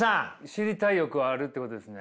知りたい欲はあるっていうことですね。